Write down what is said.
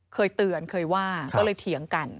เคยเตือนเคยว่าก็เลยเถียงกัน